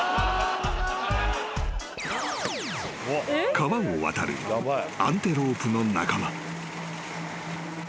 ［川を渡るアンテロープの仲間］